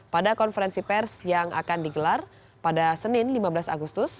pada konferensi pers yang akan digelar pada senin lima belas agustus